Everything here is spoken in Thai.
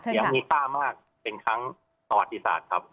อย่างนิษฐามากเป็นครั้งตวรรษฎิศาสตร์ครับ